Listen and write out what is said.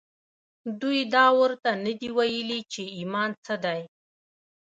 دوی دا ورته نه دي ويلي چې ايمان څه دی.